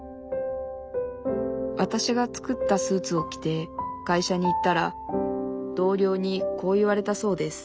わたしが作ったスーツを着て会社に行ったら同僚にこう言われたそうです